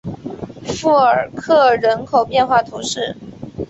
富尔克人口变化图示